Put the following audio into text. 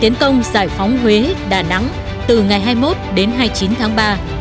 tiến công giải phóng huế đà nẵng từ ngày hai mươi một đến hai mươi chín tháng ba